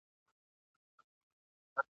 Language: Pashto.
برابر پر نعمتونو سو ناپامه ..